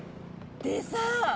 でさ